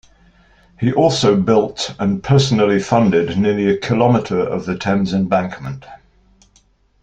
He also built and personally funded nearly a kilometre of the Thames Embankment.